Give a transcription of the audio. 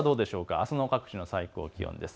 あすの各地の最高気温です。